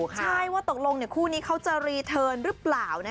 ใช่ว่าตกลงคู่นี้เขาจะรีเทิร์นหรือเปล่า